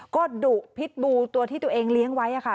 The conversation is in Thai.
ก็ดุพิษบูตัวที่ตัวเองเลี้ยงไว้ค่ะ